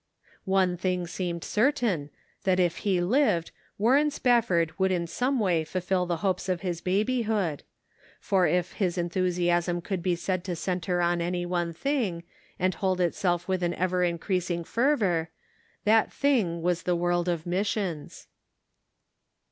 One thing seemed certain, that if he lived, Warren Spafford would in some way fulfil the hopes of his babyhood ; for if his enthusiasm could be said to center on any. one thing, and hold itself with an ever increasing fervor, that thing was the world of missions.